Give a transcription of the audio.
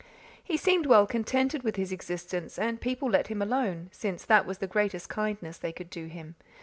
He seemed well contented with his existence and people let him alone, since that was the greatest kindness they could do him.